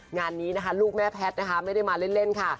งานนี้นะคะลูกแม่แพทย์นะคะไม่ได้มาเล่นค่ะ